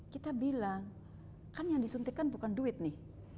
kita bilang kan yang disuntikan bukan duit nih